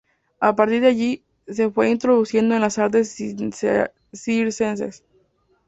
A partir de allí, se fue introduciendo en las artes circenses.